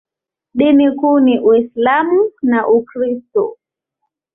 Dini kuu ni Uislamu na Ukristo.